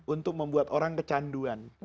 untuk membuat orang kecanduan